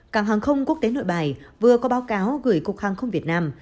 cảng hàng không quốc tế nội bài vừa có báo cáo gửi cục hàng không việt nam